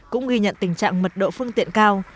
cũng ghi nhận tình trạng mật độ phương tiện cao